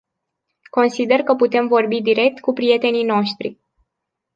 Consider că putem vorbi direct cu prietenii noștri.